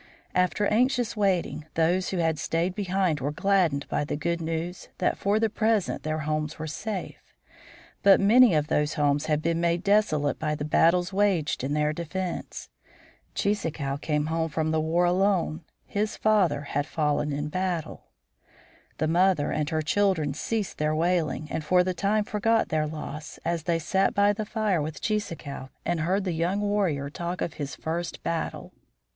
After anxious waiting, those who had stayed behind were gladdened by the good news that for the present their homes were safe. But many of those homes had been made desolate by the battles waged in their defense. Cheeseekau came home from the war alone. His father had fallen in battle. The mother and her children ceased their wailing and for the time forgot their loss, as they sat by the fire with Cheeseekau and heard the young warrior talk of his first battle.